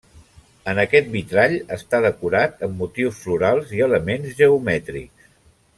En aquest vitrall està decorat amb motius florals i elements geomètrics.